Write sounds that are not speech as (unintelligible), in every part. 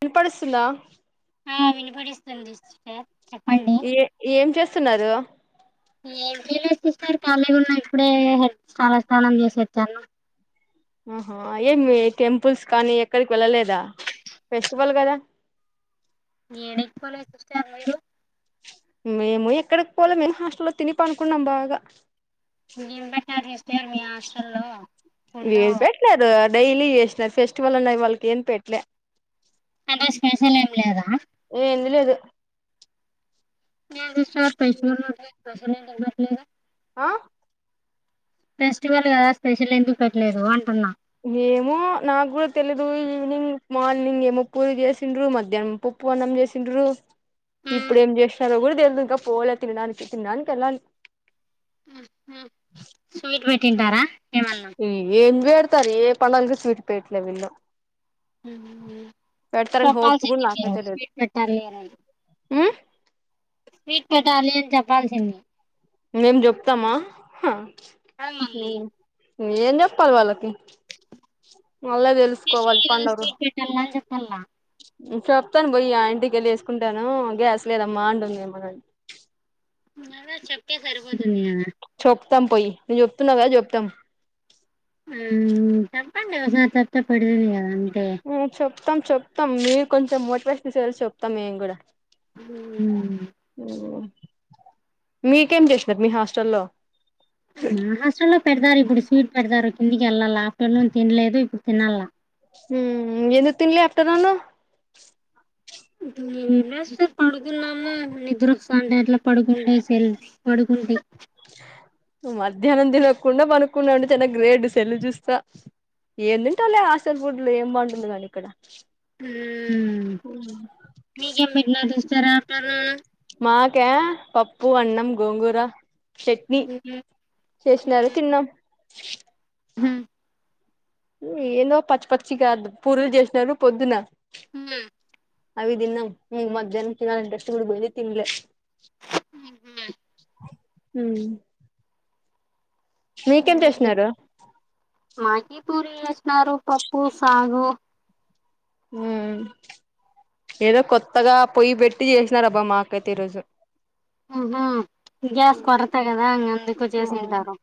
వినపడుస్తుందా ఆ వినిపడిస్తుంది సిస్టర్ చెప్పండి ఏ ఏం చేస్తున్నారు ఏం సిస్టార్ ఖళీ గున్న ఇప్పుడే హెడ్ తలా స్నాానం చేసేచ్చాను ఆహా ఏమి టెంపుల్స్ కానీ ఎక్కడికి వెళ్ళలేదా ఫెస్టివల్ కదా ఏడికిపోలే (unintelligible) మీరు మేము ఎక్కడికి పోలే మేము హాస్టల్లో తిని ప అనుకున్నాం బాగా ఏం పెట్టారు చెప్తే మీ హాస్టల్ల్లో ఏం పెట్టలేరు డైలీ వసిన ఫెస్టివల్ ఉన్నాయి వాళ్ళకి ఏం పెట్లే అంటే స్పెషల్ ఏం లేదా ఏంది లేదు న సార్ పైస ఉ పైసా మట్లేద ఆ ఫెస్టివల్ కదా స్పెషల్ ఎందుకు పెట్టలేదు అంటున్నా మేము నాకు కూడా తెలిదు ఈవినింగ్ మార్నింగ్ ఏమో పూజ చేసిండ్రు మధ్యాహ్నం పు పోనం చేసిండ్రు ఇప్పుడ ఏం చేస్తున్నారో కూడా తెలిదు ఇంకా పోలే తినడానికి తినడానికి వెళ్ళాలి (unintelligible) తింటారా ఏ ఏం పెడతారు ఏ పండగలకి స్వీట్ పెట్లే వీళ్లు హోప్స్ చెప్పాల్సింది మీరు స్వీట్ పెట్టాలి అని ఉ స్వీట్ పెట్టాలి అని చెప్పాల్సింది మేం చెప్తామా హా కాదు మళ్ళీ ఏం చెప్పాలి వాళ్ళకి వాళ్ళే జస్ట్ తెలుసుకోవాలి పండరు స్వీట్ పెట్టాల అని చెప్పాల చెప్తాను పోయి ఇంటికి వెళ్ళి వేసుకుంటాను గ్యాస్ లేదమ్మా ఉంటుంది మ అదే చెప్తే సరిపోతుంది కదా చోపతాం పోయి నువ్వు చెప్తున్నావ్ కదా చెప్తాం ఉ తప్పదు కదా (unintelligible) చెప్తాం చెప్తాం మీరు కొంచెం మోటివేషన్సయల్ చెప్తాం మేము కూడా మ్మ్ మీకేం చేసినరు మీ హాస్టల్లో మా హాస్టల్లో పెడతారు ఇప్పుడు స్వీట్ పెడతారు కిందికి వెళ్ళాలా ఆఫ్టర్నూన్ తినలేదు ఇప్పుడు తినల్ల మ్మ్ ఎందుకు తిన్ల ఆఫ్టర్నూన్ తినేసి పనుకుందామా నిద్రొస్తుంటే అట్లా పడుకుంటా సెల్ పడుకుంటాయి నువ్ మధ్యాహ్నం తెలియకుండా పనుకున్నా అండి చిన్న గ్రేడ్ సెల్లు చూస్తా ఏం తింటావులే హాస్టల్ ఫుడ్ ఏం బాగుంటుంది కానీ ఇక్కడ ఊ మీకేం పెట్టినారు చూస్తారా హాస్టల్ మాకా పప్పు, అన్నం, గోంగూరా చట్నీ చేసినారు తిన్నాం హు ఏందో పచ్చి పచ్చి కాదు పూరీలు చేసినారు పొద్దున ఉ అవి తిన్నం మధ్యాహ్నం తినాలన్న ఇంట్రెస్ట్ పోయింది తిన్లే హు మీకెంత ఏసినారు మాకి పూరి యేసినారు పప్పు, సాగు ఉ ఏదో కొత్తగా పొయ్యి పెట్టి చేసినార అబ్బా మాకైతే ఈ రోజు అవున గ్యాస్ కొరతా కదా అ అందుకు చేసింటారు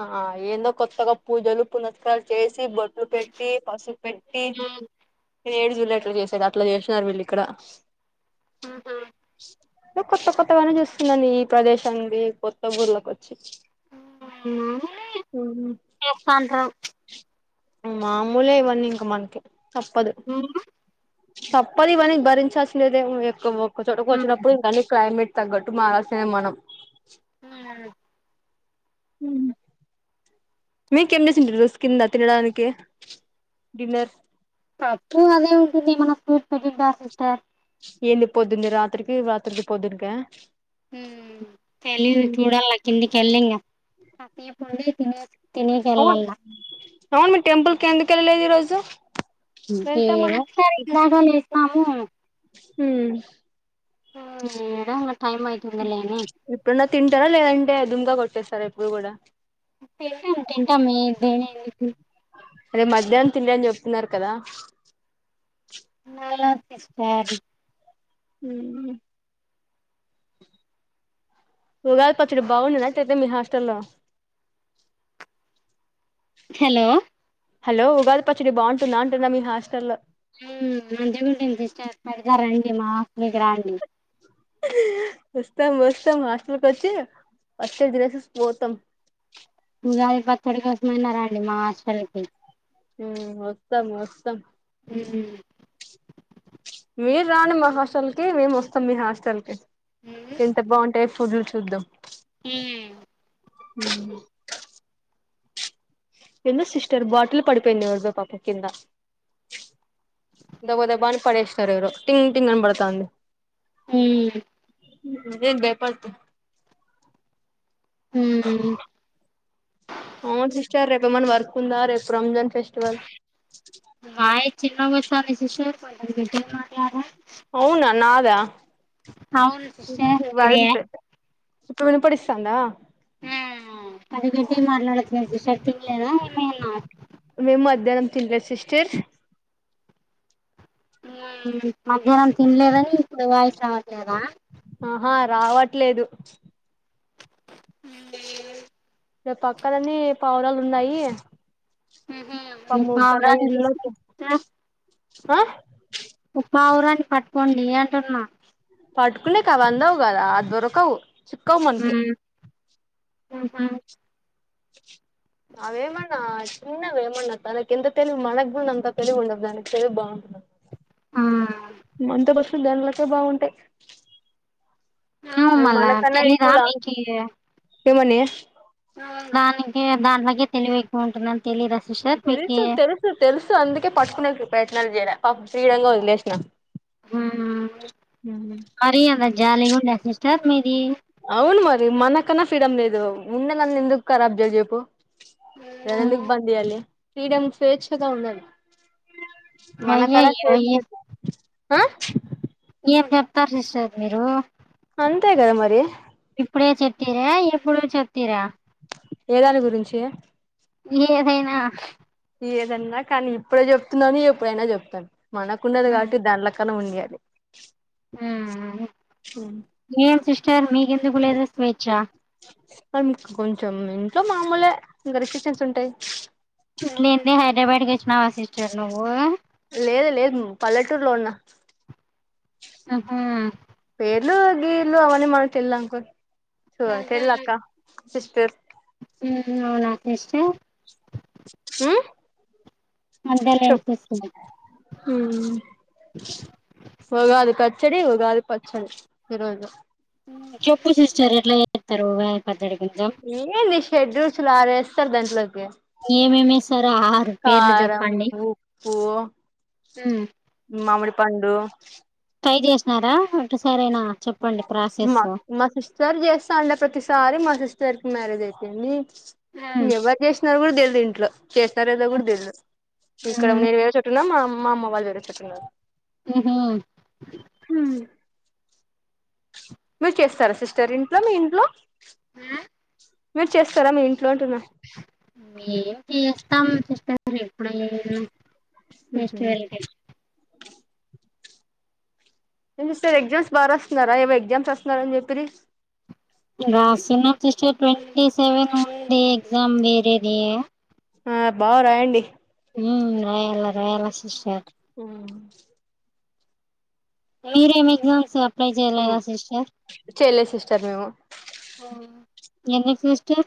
ఆ ఏందో కొత్తగా పూజలు పునస్కారం చేసి బొట్లు పెట్టి పసుపు పెట్టి నను ఏడు జుల్లు అట్లా చేసాది అట్లా చేసినన్నారు వీళ్ళు ఇక్కడ అ హ కొత్త కొత్తగానే చూస్తున్నాం ఈ ప్రదేశానికి కొత్త ఊళ్ళక వచ్చి ఉ కొంతఅంతరం మాముూలేవన్నీంక మనకి తప్పదు తప్పదు ఇవన్న భరించాల్స లేదే ఒక్క చోటకు వచ్చినప్పుడు ఇ కానీ క్లైమేట్ తగ్గట్టు మారాల్సిన మనం ఉ హ మీకం చి రుస్ కింద తినడానికి డిన్నర్ పప్పు అదే ఉంటుంది మన స్కూట్ పెట్టింటా సిస్టర్ ఎందు పోద్దుంది రాత్రికి రాత్రికి పోద్దుక ఉ తెలిదు చూడాలి కిందికి వెళ్ళింగా అవును అవును మీ టెంపుల్ క ఎందుకు వెళ్ళలేదు ఈరోోజు ఇంకేమ సారు ఇందాగా లేస్తాము హ ఉ ఆడ ఇప్పుడున్న తింటారా లేదంటే దుమ్గా కొట్టేస్తారా ఎప్పుడు కూడా టంటా తంటా మ అదే మధ్యాహ్నం తింలే అని చెప్తున్నారు కదా నాల సిస్టర్ హ ఉగాది పచ్చడి బాగుండన్నట్ట అయితే మీ హాస్టల్ల్లో హలో హలో ఉగాది పచ్చడి బాగుంటుంద అంటున్నా మీ హాస్టల్లో ఉ మంచిగానే ఉంటుంది ఇష్ట పెడతారంండి మా ఆ మీకి రాడి వస్తాం వస్తాం హాస్టల్ క వచ్చి ఫస్ేినస పోతాం మన్నారాండి మా హాస్టల్ కి ఉ ఒస్తాం ఒస్తాం ఉ మీరు రాం మా హాస్టల్ కి మేము వస్తాం మీ హాస్టల్ కి ఎంత బాగుంటాయి ఫుడ్లు చూద్దాం హ ఎందుో సిస్టర్ బాటిల్ పడిపోయిందివబ పాప కింద దబ్బా దబ్బా అని పడేస్తుారు ఎవరో టింగ్ టింగ్ అని పడుతుంది హ నువ్వు ఏం భయపడకు హ అవును సిస్టర్ రేపు ఏమన్నా వర్క్ ఉందా రేపు రంజన్ వాయిస్ చిన్నగా వయసునే సిస్ర్ కొంచార అవునా నాదా అవును సిస్టర్ మీదే వాళంత ఇప్పు వినుపడిస్తాందా ఆ అది గడ్డి మార్లాడుర్ తంగ్ళనా మేము మధ్యాహ్నం తిందలే సిస్టర్ మధ్యాహ్నం తినలేదని ఇప్పుడు వాయిస్ రావట్లేదా ఆహా రావట్లేదు అంట రేపు పక్కలని పావురాలు ఉన్నాయి ఊహు పాపము తన పావురానీ ఇల్లోకి ఆ (inaudible) పావురాని పట్టుకోండి అంటున్నా. పట్కునేకి అవి అందవ్ గదా, దొరకవ్. చిక్కవ్ మన్కీ. మ్మ్ అవేమన్న చిన్నవేమన్న, తనక్ ఎంత తెలివి మనగ్ గున్నంతా, తెలివి ఉండద్ దానికి తెలి బా ఆ (unintelligible) లాకే బాగుంటాయి. అవును అవి మళ్ళా మనకన్నా తెలీదా ఎక్కులాంగ్, మీకి దానికి, దాంట్లోకి తెలివి ఎక్కువ ఉంటున్దన్ తెలుసు, తెలుసు, తెలుసు అందుకే పట్టుకునేకి ప్రయత్నాలు జేయ్ల. పాపం ఫ్రీడంగా ఓదిలేసిన. హుమ్మ్. మరి అంత జాలీగా గుండె, సిస్టర్ మీది. అవున్ మరి, మనకన్నా ఫ్రీడం లేదు, ఉండే నన్ని ఎందుక్ ఖరాబ్ జే జేప్పు. ఫ్రీడం స్వేచ్ఛగా ఉండాలి. మన కాడా అయ్యయ్యో స్వేచ్చ ఏ ఎట్లా. ఏం జేప్తార్ సిస్టార్ మీరు. అంతే గదా మరి. ఇప్పుడే చెప్తిరా, ఎప్పుడో చెప్తిరా. ఏదాని గురించి. ఏదైనా. ఏదన్నా కానీ ఇప్పుడే జెప్తున్నాను, ఎప్పుడైనా జెప్తాను. మనకున్నది కాబట్టి దాన్ లేక్ అన్న ఉంది అని. ఏం సిస్టర్ మీకెందుకు లేదు, స్వేచ్ఛ. (unintelligible) కొంచెం ఇంట్లో మామూలే, ఇంకా రిస్ట్రిక్షన్స్ ఉంటాయి. లేన్దే హైదరాబాద్ కి వచ్చినావా సిస్టర్ నువ్వు. లేదు లేదు పల్లెటూరులో ఉన్న ఉహు. (unintelligible) గి ఇల్లు అవన్నీ మనక్ తెల్ద్ అంకుల్, సో తెల్ద్ అక్క, సిస్టర్ ఉమ్ అవునా సిస్టర్. ఉ. మధ్యలో ఏం చేస్తుంది. ఉమ్, చేయాలి ఖచ్ చ్చడి, ఉగాది పచ్చడి ఈరోజు. చెప్పు సిస్టర్ ఎట్ల చెత్తారో, ఉగాది పచ్చడి. కొంచెం ఏంది షెడ్రూచులు ఆరు ఏస్తార్ దాంట్లోక్, ఏమేమిేస్తారో ఆరు పేర్లు కారం, చెప్పండి ఉప్పు ఉమ్, మామిడ్ పండు. ట్రై చేసినారా, ఒట్టసారైనా. మా మా సిస్టర్ జేస్తా ఉండే ప్రతిసారి, మా సిస్టర్ కి మ్యారేజ్ అయిపోంది. ఇంగ ఉమ్, ఎవర్ చేసినారు గుడా తెలిదు ఇంట్లో. చేస్తారేలేదో కూడా తెలీదు. ఇక్కడ ఉమ్, నేన్ వేరే చోటున్నా, మా మా అమ్మ వాళ్ళు వేరే చోటున్నారు. ఉహు. మీర్ చేస్తారా సిస్టర్ ఇంట్లో, మీ ఇంట్లో. ఉమ్. మీర్ చేస్తారా, మీ ఇంట్ మేం చేస్తాం సిస్టర్ ఎప్పుడు (unintelligible) ఫెస్టివల్ కేల్ ఈ సార్ ఎగ్జామ్స్ బాగా రాస్తున్నారా, ఏవో ఎగ్జామ్స్ రాస్తున్న అని చెప్పిరి. రాస్తున్నామ్ సిస్టర్, ట్వంటీ సెవెన్ ఉంది ఎగ్జామ్ వేరేది. ఆ బా రాయండి. ఉమ్ రాయాల, రాయాల సిస్టర్. ఉమ్. మీరేం ఎగ్జామ్స్ యాప్, అప్లై చేయలేదా, సిస్టర్. చేయలేదు సిస్టర్ మేము ఎన్న సస్టర్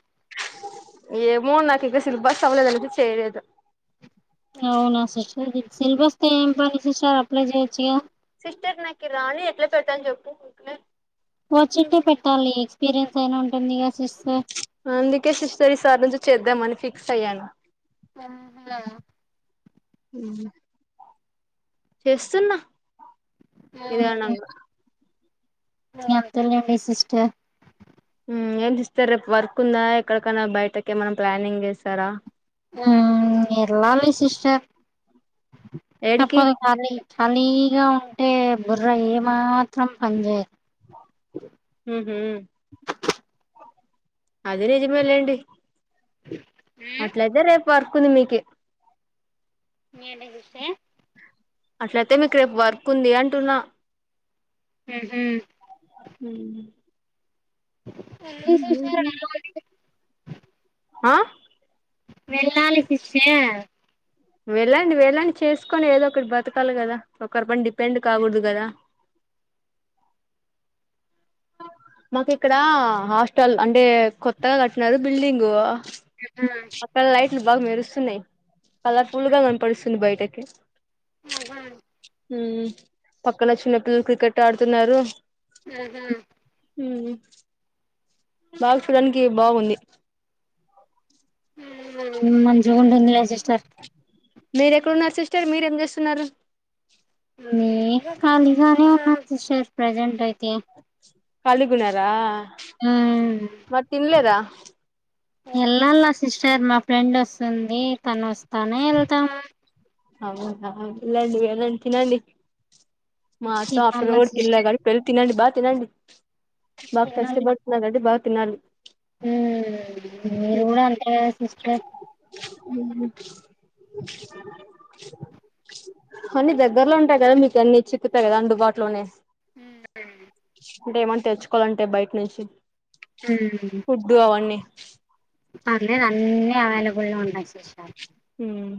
ఏమో నాకు ఇక సిల్బస్ ఎవలేదంచి చేయదు సిలబస్తో ఏం పని సిస్టర్ అప్లై చేయొచ్చుగా సిస్టర్ నాకి రాను ఎట్లా పెడుతా చెప్పు కోచింగ్ే పెట్టాలి ఎక్స్పీరియన్స్ అయినా ఉంటుంది కసిస్తే అందుకే శరి సార్ నుంచి చేద్దామని ఫిక్స్ అయ్యాను స చేస్తున్నా ఇదినాంగా ఎంతలండి సిస్టర్ ఏం చేస్తారు రేపు వర్క్ ఉందా ఎక్కడికైనా బయటకే ఏమనా ప్లానింగ్ చేస్తారా ఎర్లాలి సిస్టర్ ఏడికి చప్పప్పల్ నీ నీ ఇగా ఉంటే బుర్ర ఏమాత్రం పని చేయ హ హ అదిే నిజమేలండి అట్లయితే రేపు పర్కుంది మీక మీనేసే అట్లయితే మీకు రేపు వర్క్ ఉంది అంటున్నా హ హ అ స ఆ వెళ్ళాల శిక్ష వెళ్ళండి వెళ్ళండి చేసుకొని ఏదో ఒకటి బతకాలి కదా ఒకరి పండి పెండ్ కాకూడదు కదా మాకు ఇక్కడ హాస్టల్ అంటే కొత్తగా కట్టిన బిల్డింగ అక్కడ లైట్లు బాగా మెరుస్తున్నాయి కలర్ఫుల్ గా కనపడుస్తుంది బయట ఓకే ఆహా పక్కన చిన్న పిల్లలు క్రికెట్ ఆడుతున్నారు ఆహా బాగా చూడానికి బాగుంది మంచిగాగుంటుంది రజిస్టార్ మీర ఎక్కడన్నారు సిస్టర్ మీర ఏం చేస్తున్నారు నేం ఖాళీగానే ఉన్నాంటార్ ప్రజెంట్ అయితే కళిగుణార మ ఇన్లేద వెళ్ళాలా సిస్టర్ మా ఫ్రెండ్ వస్తుంది తను వస్తానే వెళ్తాము అవు ఇలాంటి ఎలాంతినండి మాస ఆఫ్ తినాల కూడా తిళ్ళ సిస్టర్ కానీ పెళ్ళి తినండి బాగా తినండి బాగా తినాల కష్టపడుతున్నారు అదడి బాగా తిినాలి మీరు కూడా అంతే కదా సిస్టర్ అ అన్నిీ దగ్గరలో ఉంటాయి కదా మీకు అన్ని చిక్కుతాయి కదా అందుబాటులోనే హ అంటే ఏమన్నా తెచ్చుకోవాలంటే బయట నుంచి ఫుడ్ అవన్నీ అలేదు అన్నీ అవైలబుల్ గా ఉన్నాయి చష మ్మ్